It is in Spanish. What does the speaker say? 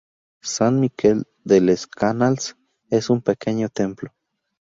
Sant Miquel de les Canals es un pequeño templo.